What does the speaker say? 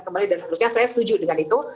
kembali dan seterusnya saya setuju dengan itu